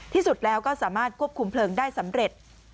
ที่สุดแล้วก็สามารถควบคุมเพลิงได้สำเร็จ